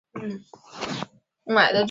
黄脉爵床为爵床科黄脉爵床属的植物。